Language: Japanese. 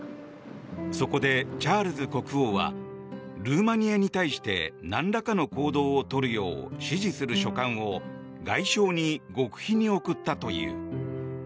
そこでチャールズ国王はルーマニアに対して何らかの行動をとるよう指示する書簡を外相に極秘に送ったという。